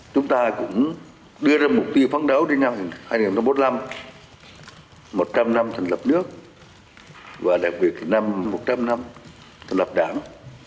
chúng ta cũng đưa ra mục tiêu phán đấu đến năm hai nghìn bốn mươi năm một trăm linh năm thành lập nước và đặc biệt năm một trăm linh năm thành lập đảng